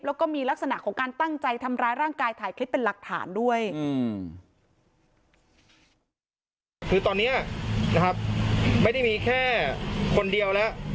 แล้วก็มีลักษณะของการตั้งใจทำร้ายร่างกายถ่ายคลิปเป็นหลักฐานด้วย